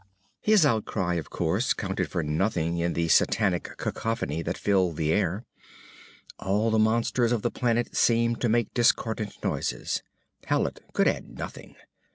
His outcry, of course, counted for nothing in the satanic cacophony that filled the air. All the monsters of all the planet seemed to make discordant noises. Hallet could add nothing.